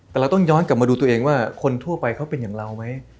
แต่เราต้องย้อนกลับมาดูตัวเองว่าคนทั่วไปเขาเป็นอย่างเราไหม